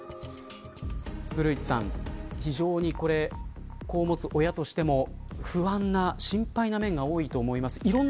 古市さん、非常にこれ子を持つ親としても不安な心配な面が多いと思います。